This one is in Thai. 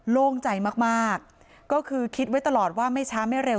โล่งใจมากมากก็คือคิดไว้ตลอดว่าไม่ช้าไม่เร็ว